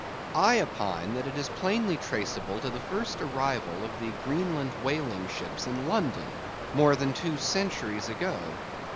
I opine, that it is plainly traceable to the first arrival of the Greenland whaling ships in London, more than two centuries ago.